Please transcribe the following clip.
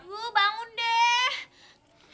duh bangun deh